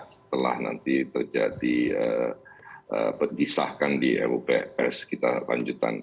setelah nanti terjadi perpisahkan di rups kita lanjutan